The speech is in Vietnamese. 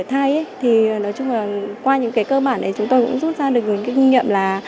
thì nói chung là qua những cái cơ bản ấy chúng tôi cũng rút ra được những cái kinh nghiệm là